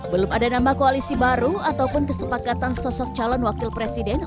belum ada nama koalisi baru ataupun kesepakatan sosok calon wakil presiden